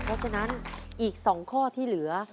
เพราะฉะนั้นอีก๒ข้อที่เหลือ